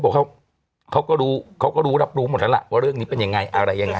พวกเขาเขาก็รู้รับรู้หมดละว่าเรื่องนี้เป็นยังไงอะไรยังไง